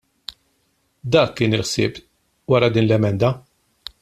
Dak kien il-ħsieb wara din l-emenda.